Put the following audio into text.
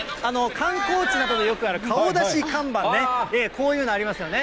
観光地などでよくある顔出し看板ね、こういうのありますよね。